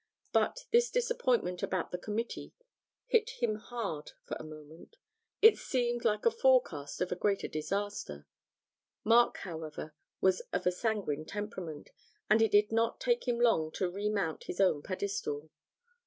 But this disappointment about the committee hit him hard for a moment; it seemed like a forecast of a greater disaster. Mark, however, was of a sanguine temperament, and it did not take him long to remount his own pedestal.